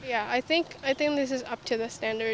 ya saya pikir ini terhadap standar